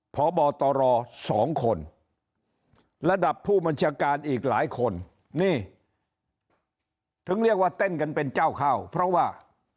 พบตร๒คนระดับผู้บัญชาการอีกหลายคนนี่ถึงเรียกว่าเต้นกันเป็นเจ้าข้าวเพราะว่า